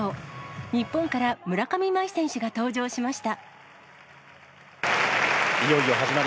日本から村上茉愛選手が登場しました。